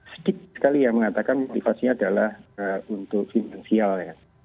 sedikit sekali yang mengatakan motivasinya adalah untuk finansial ya